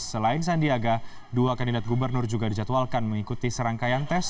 selain sandiaga dua kandidat gubernur juga dijadwalkan mengikuti serangkaian tes